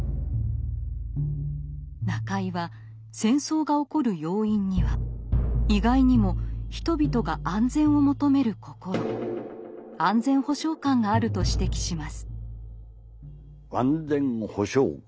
中井は戦争が起こる要因には意外にも人々が安全を求める心「安全保障感」があると指摘します。